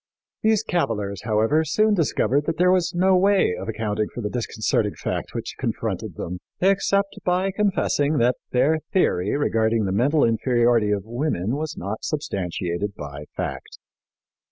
" These cavillers, however, soon discovered that there was no way of accounting for the disconcerting fact which confronted them, except by confessing that their theory regarding the mental inferiority of women was not substantiated by fact.